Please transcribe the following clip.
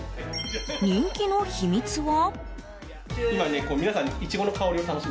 人気の秘密は。